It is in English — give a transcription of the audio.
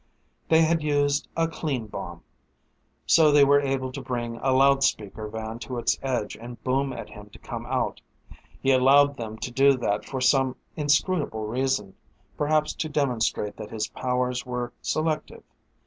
They had used a "clean" bomb. So they were able to bring a loudspeaker van to its edge and boom at him to come out. He allowed them to do that for some inscrutable reason; perhaps to demonstrate that his powers were selective.